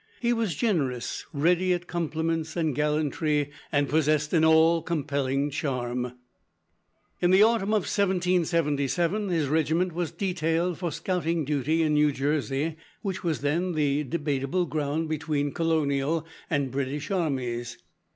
He was generous, ready at compliments and gallantry, and possessed an all compelling charm. In the autumn of 1777, his regiment was detailed for scouting duty in New Jersey, which was then the debatable ground between colonial and British armies.